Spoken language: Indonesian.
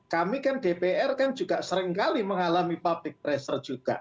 kami kan dpr kan juga seringkali mengalami public pressure juga